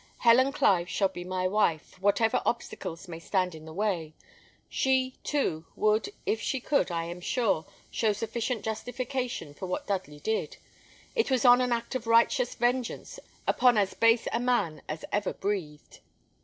Helen Clive shall be my wife, whatever obstacles may stand in the way. She, too, would, if she could, I am sure, show sufficient justification for what Dudley did. It was an act of righteous vengeance upon as base a man as ever breathed."